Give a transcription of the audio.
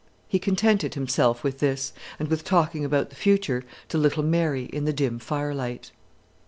He contented himself with this, and with talking about the future to little Mary in the dim firelight.